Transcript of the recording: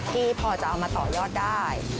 ที่พอจะเอามาต่อยอดได้